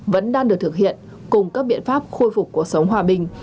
vẫn đang được thực hiện cùng các biện pháp khôi phục cuộc sống hòa bình